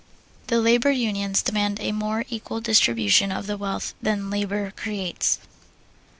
The labor unions demand a more equal distribution of the wealth that labor creates.